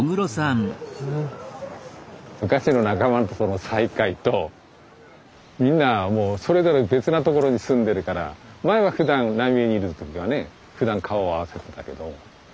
昔の仲間との再会とみんなもうそれぞれ別なところに住んでるから前はふだん浪江にいる時はねふだん顔合わせてたけど。